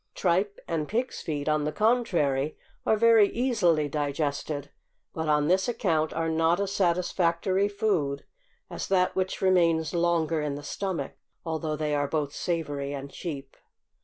Tripe and pigs' feet, on the contrary, are very easily digested; but on this account are not as satisfactory food as that which remains longer in the stomach; although they are both savory and cheap.